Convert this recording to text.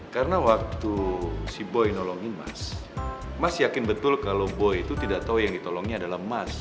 karena waktu si boy nolongin mas mas yakin betul kalau boy itu tidak tahu yang ditolongnya adalah mas